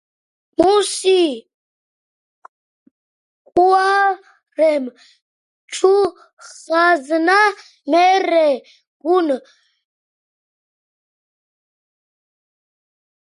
მუს ი კუ̂არემ ჩუ ხაზნა, მარე გუნ მჷცხი მა̄მა ლი.